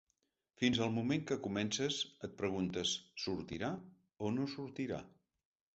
Fins al moment que comences et preguntes: sortirà o no sortirà?